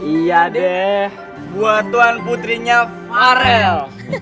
iya deh buat tuan putrinya arel